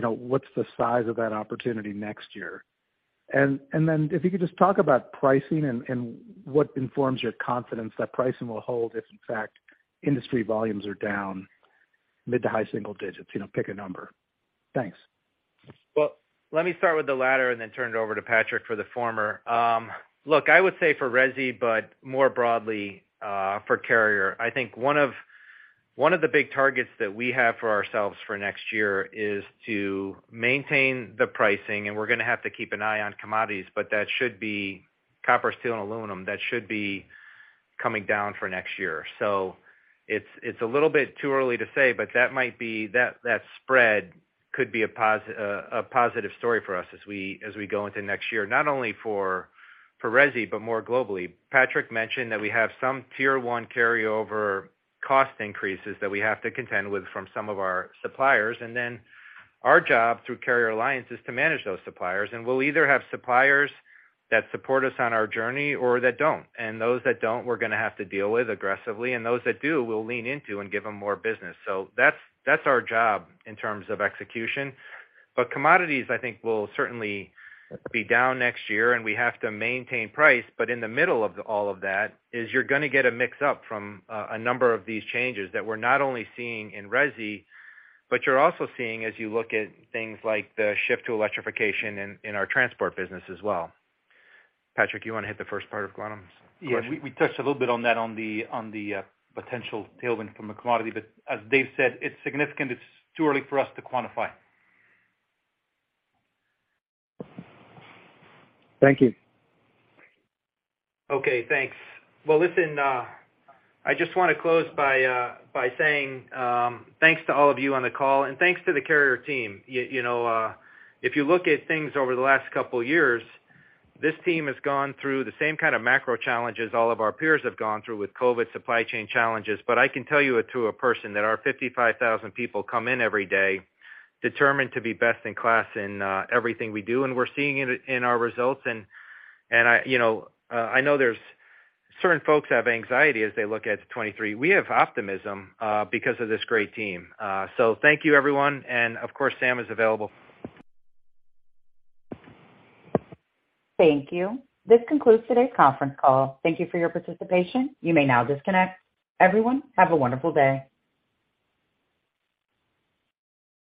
know, what's the size of that opportunity next year? Then if you could just talk about pricing and what informs your confidence that pricing will hold if in fact industry volumes are down mid to high single digits, you know, pick a number. Thanks. Well, let me start with the latter and then turn it over to Patrick for the former. Look, I would say for resi, but more broadly, for Carrier. I think one of the big targets that we have for ourselves for next year is to maintain the pricing. We're gonna have to keep an eye on commodities, but that should be copper, steel, and aluminum. That should be coming down for next year. It's a little bit too early to say, but that spread could be a positive story for us as we go into next year, not only for resi, but more globally. Patrick mentioned that we have some tier one carryover cost increases that we have to contend with from some of our suppliers. Our job through Carrier Alliance is to manage those suppliers. We'll either have suppliers that support us on our journey or that don't. Those that don't, we're gonna have to deal with aggressively. Those that do, we'll lean into and give them more business. That's our job in terms of execution. Commodities I think will certainly be down next year, and we have to maintain price. In the middle of all of that is you're gonna get a mix up from a number of these changes that we're not only seeing in resi, but you're also seeing as you look at things like the shift to electrification in our transport business as well. Patrick, you wanna hit the first part of Gautam's question? Yeah. We touched a little bit on that, on the potential tailwind from the commodity, but as Dave said, it's significant. It's too early for us to quantify. Thank you. Okay, thanks. Well, listen, I just wanna close by saying thanks to all of you on the call, and thanks to the Carrier team. You know, if you look at things over the last couple years, this team has gone through the same kind of macro challenges all of our peers have gone through with COVID supply chain challenges. I can tell you to a person that our 55,000 people come in every day determined to be best in class in everything we do, and we're seeing it in our results. I know there's certain folks have anxiety as they look at 2023. We have optimism because of this great team. Thank you, everyone. Of course, Sam is available. Thank you. This concludes today's conference call. Thank you for your participation. You may now disconnect. Everyone, have a wonderful day.